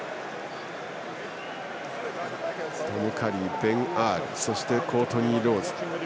トム・カリー、ベン・アールそして、コートニー・ローズ。